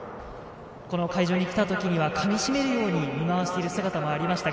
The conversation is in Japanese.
会場に来たときにはかみしめるように見回している姿がありました。